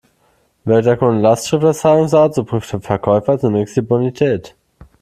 Wählt der Kunde Lastschrift als Zahlungsart, so prüft der Verkäufer zunächst die Bonität.